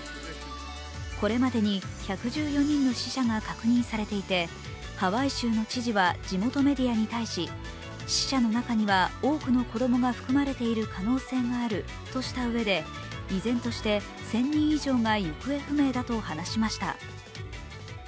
これまでに１１４人の死者が確認されていて、ハワイ州の知事は地元メディアに対し、死者の中には多くの子供が含まれている可能性があるとしたうえで、依然として１０００人以上が行方不明だと話しました。